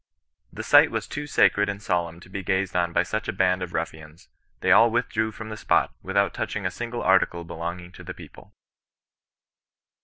" The sight was too sacred and solemn to be gazed on by such a band of ruffians ; they all withdrew from the spot, without touching a single article belonging to the people."